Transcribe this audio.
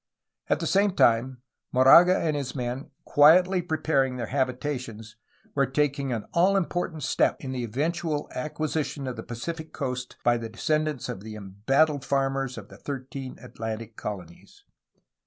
At the same time, Moraga and his men, quietly preparing their habitations, were taking an all important step in the eventual acquisition of the Pacific coast by the descendants of the embattled farmers of the thirteen Atlantic colonies.